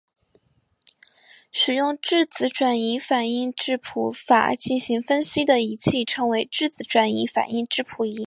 使用质子转移反应质谱法进行分析的仪器称为质子转移反应质谱仪。